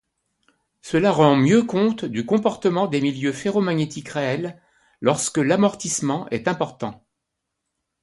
Cela rend mieux compte du comportement des milieux ferromagnétiques réels lorsque l'amortissement est important.